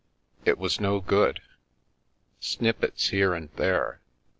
It was no good. Snippets here and there.